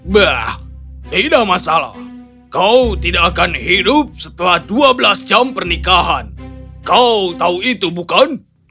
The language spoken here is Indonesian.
bah tidak masalah kau tidak akan hidup setelah dua belas jam pernikahan kau tahu itu bukan